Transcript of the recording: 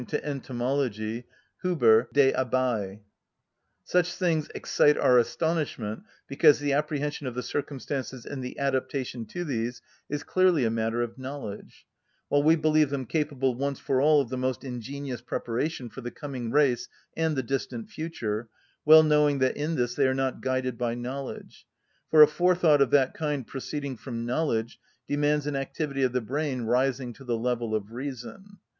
to Entomol._; Huber, Des abeilles). Such things excite our astonishment, because the apprehension of the circumstances and the adaptation to these is clearly a matter of knowledge; while we believe them capable once for all of the most ingenious preparation for the coming race and the distant future, well knowing that in this they are not guided by knowledge, for a forethought of that kind proceeding from knowledge demands an activity of the brain rising to the level of reason.